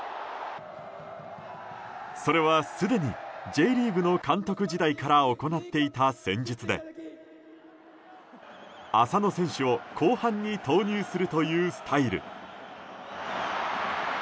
それは、すでにＪリーグの監督時代から行っていた戦術で浅野選手を後半に投入するというスタイル。